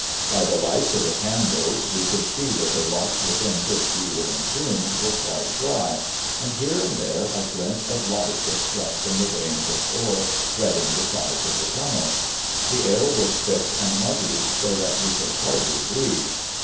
By the lights of the candles we could see that the rocks within which we were entombed were quite dry, and here and there a glint of light was struck from the veins of ore threading the sides of the tunnel. The air was thick and muggy, so thai we could hardly breathe.